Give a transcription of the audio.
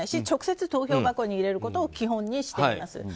直接投票箱に入れることを基本にしています。